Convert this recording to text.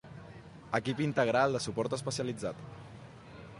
Equip integral de suport especialitzat.